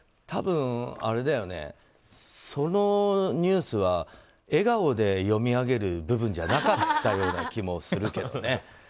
多分、そのニュースは笑顔で読み上げる部分じゃなかったような気もするけどね。